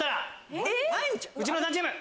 内村さんチーム！